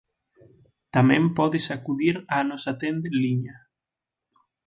Tamén podes acudir á nosa tenda en liña.